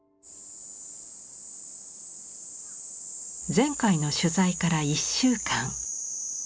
前回の取材から１週間。